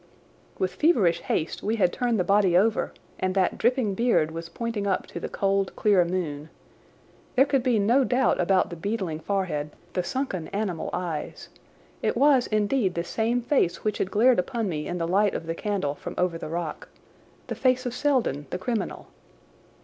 With feverish haste we had turned the body over, and that dripping beard was pointing up to the cold, clear moon. There could be no doubt about the beetling forehead, the sunken animal eyes. It was indeed the same face which had glared upon me in the light of the candle from over the rock—the face of Selden, the criminal.